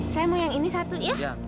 saya mau yang ini satu ya